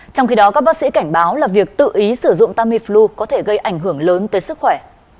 trong khi đó các bác sĩ cảnh báo là việc tự ý sử dụng tamiflu có thể gây ảnh hưởng lớn tới sức khỏe